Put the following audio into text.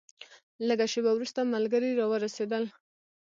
لږه شېبه وروسته ملګري راورسېدل.